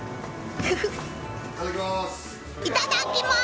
いただきます！